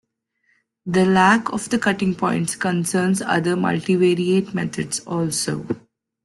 The lack of the cutting points concerns other multivariate methods, also.